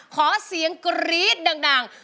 ขอเสียงกรี๊ดดัง